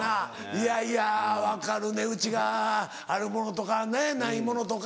いやいや分かる値打ちがあるものとかないものとか。